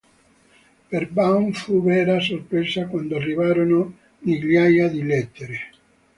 Per Baum fu una vera sorpresa quando arrivarono migliaia di lettere.